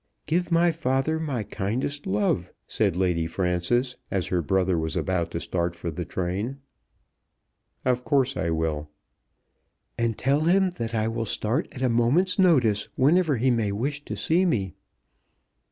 "Give my father my kindest love," said Lady Frances, as her brother was about to start for the train. "Of course I will." "And tell him that I will start at a moment's notice whenever he may wish to see me."